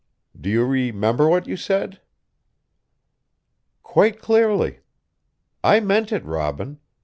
Do you remember what you said?" "Quite clearly. I meant it, Robin.